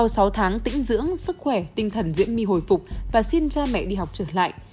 sau sáu tháng tĩnh dưỡng sức khỏe tinh thần diễm my hồi phục và xin cha mẹ đi học trở lại